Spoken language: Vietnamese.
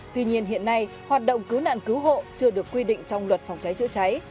tuy nhiên hiện nay hoạt động cứu nạn cứu hộ chưa được quy định trong luật phòng cháy chữa cháy